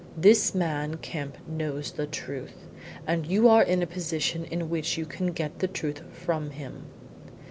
This man Kemp knows the truth, and you are in a position in which you can get the truth from him.